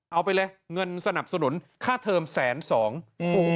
เอาไปเลยเงินสนับสนุนค่าเทอมแสนสองอืม